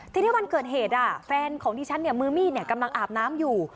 ทีนี้วันเกิดเหตุแฟนของดิฉันเนี่ยมือมีดกำลังอาบน้ำอยู่